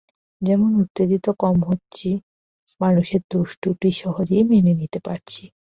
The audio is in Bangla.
যেমন, উত্তেজিত কম হচ্ছি, মানুষের দোষত্রুটি সহজে মেনে নিতে পারছি।